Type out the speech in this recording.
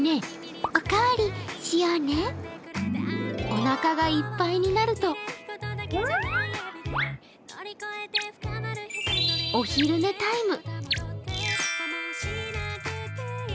おなかがいっぱいになるとお昼寝タイム。